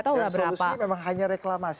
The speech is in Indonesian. dan solusi ini memang hanya reklamasi